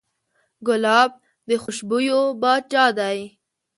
ګلاب د خوشبویو پاچا دی.